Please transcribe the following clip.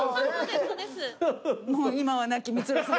もう今は亡き光浦さん。